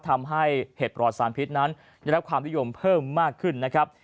ทำให้เห็ดปลอดสารพิษนั้นได้รับความนิยมเพิ่มมากขึ้นนะครับ